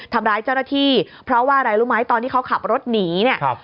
ทำร้ายเจ้าหน้าที่เพราะว่าอะไรรู้ไหมตอนที่เขาขับรถหนีเนี่ย